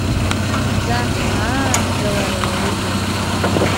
Зынӡа аангылара иаҩызоуп.